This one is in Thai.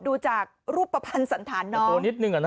ดูจากรูปประพันธ์สันธารน้อง